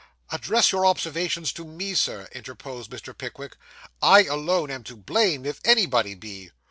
'Address your observations to me, sir,' interposed Mr. Pickwick; 'I alone am to blame, if anybody be.